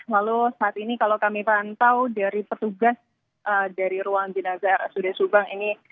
lalu saat ini kalau kami pantau dari petugas dari ruang jenazah rsud subang ini